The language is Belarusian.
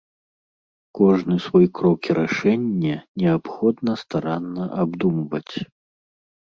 Кожны свой крок і рашэнне неабходна старанна абдумваць.